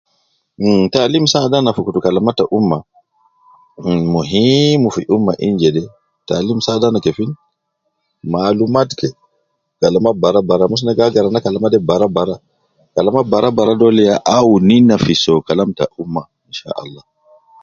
Mm taalim saadu ana fi kalam ta ummah. Mmm muhiimu fi ummah ini jede. Taalim saadu ana kefin? maalumat kee kalama baraa baraa mus ina ga agara na kalama barabara. Kalama baraabraa dolde ya awunu ina fi so kalam ta ummah. Insha Allah